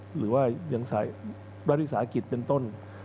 หรือว่ายังรัฐศาสตร์กิจเป็นต้น